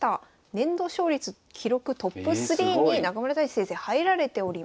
年度勝率記録トップ３に中村太地先生入られております。